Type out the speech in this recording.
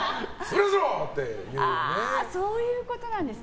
そういうことなんだ。